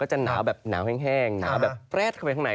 จะหนาวแบบหนาวแห้งหนาวแบบแปรดเข้าไปข้างใน